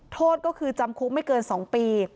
โทษก็คือจำคุกไม่เกิน๒ปี